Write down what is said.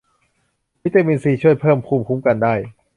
วิตามินซีช่วยเพิ่มภูมิคุ้มกันได้